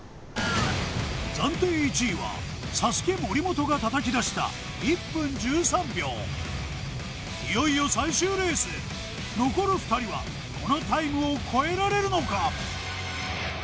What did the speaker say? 暫定１位はＳＡＳＵＫＥ森本が叩きだした１分１３秒いよいよ最終レース残る２人はこのタイムを超えられるのか？